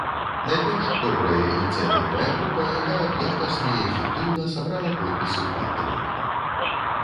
Найперш, добрая ініцыятыўная група, якая б якасна і эфектыўна сабрала подпісы ў падтрымку.